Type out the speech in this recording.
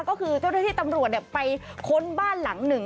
ก็คือเจ้าหน้าที่ตำรวจไปค้นบ้านหลังหนึ่ง